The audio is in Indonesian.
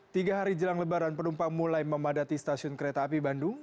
tiga hari jelang lebaran penumpang mulai memadati stasiun kereta api bandung